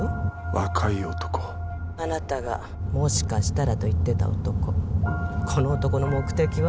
若い男☎あなたがもしかしたらと言ってた男この男の目的は？